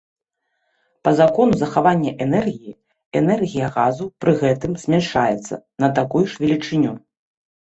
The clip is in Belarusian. Па закону захавання энергіі, энергія газу пры гэтым змяншаецца на такую ж велічыню.